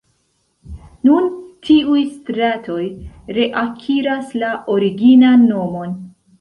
Nun tiuj stratoj reakiras la originan nomon.